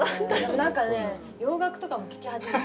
何かね洋楽とかも聴き始めた。